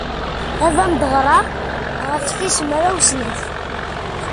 Ad am-d-ɣreɣ ɣef tis mraw snat.